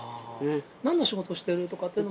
なんの仕事してるとかっていうのも？